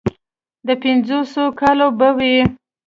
د پينځوسو کالو به و.